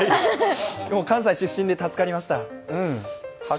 でも、関西出身で助かりました。